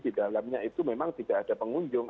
di dalamnya itu memang tidak ada pengunjung